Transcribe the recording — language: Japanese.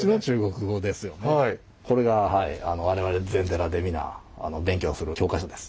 これが我々禅寺で皆勉強する教科書です。